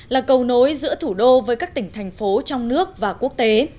là cầu nối giữa thủ đô với các tỉnh thành phố trong nước và quốc tế